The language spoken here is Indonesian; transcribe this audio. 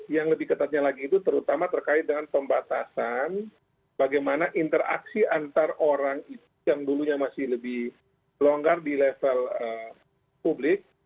yang lebih ketatnya lagi itu terutama terkait dengan pembatasan bagaimana interaksi antar orang itu yang dulunya masih lebih longgar di level publik